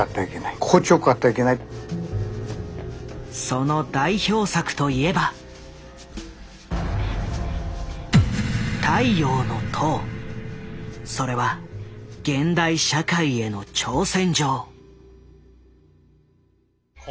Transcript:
その代表作といえばそれは現代社会への挑戦状。